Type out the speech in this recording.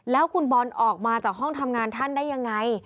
แล้วคุณบอลออกมาจากห้องทำงานท่านได้ยังไง